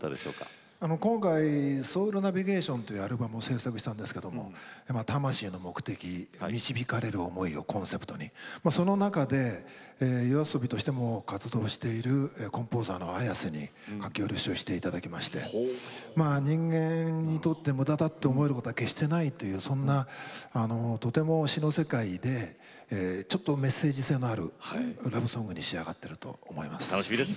「ＳＯＵＬＮＡＶＩＧＡＴＩＯＮ」というアルバムを制作しました魂の目的、導かれる思いをコンセプトにその中でＹＯＡＳＯＢＩとしても活動しているコンポーザーのＡｙａｓｅに書き下ろししていただきまして人間にとって、むだだと思うことは決してないというとても詞の世界でちょっとメッセージ性のあるラブソングに仕上がっていると思います。